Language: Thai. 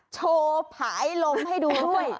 โชว์ผายลมให้ดูด้วย